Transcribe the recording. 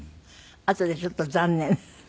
あとでちょっと残念？